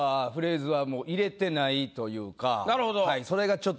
なるほど。